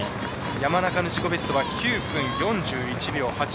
山中の自己ベストは９分４１秒８４。